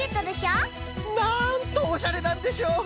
なんとおしゃれなんでしょう！